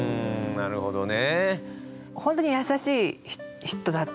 なるほどね。